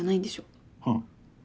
うん。